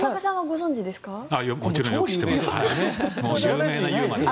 もちろん知ってます。